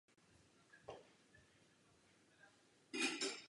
V této katedrále je také pohřben.